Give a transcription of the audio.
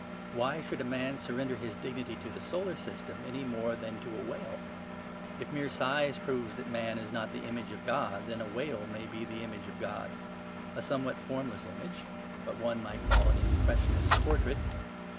Why should a man surrender his dignity to the solar system any more than to a whale? If mere size proves that man is not the image of God, then a whale may be the image of God; a somewhat formless image; what one might call an impressionist portrait.